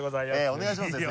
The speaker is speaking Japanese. お願いしますよ